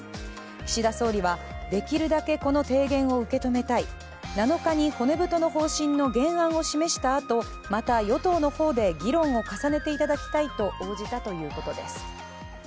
岸田総理は、できるだけこの提言を受け止めたい７日に骨太の方針の原案を示したあとまた与党の方で議論を重ねていただきたいと応じたということです。